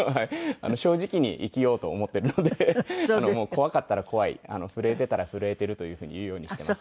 正直に生きようと思っているので怖かったら「怖い」震えていたら「震えている」というふうに言うようにしています。